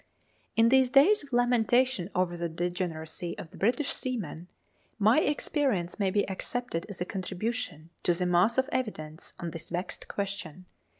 In these days of lamentation over the degeneracy of the British seaman, my experience may be accepted as a contribution to the mass of evidence on this vexed question.